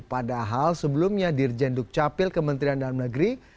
padahal sebelumnya di jenduk capil kementerian dalam negeri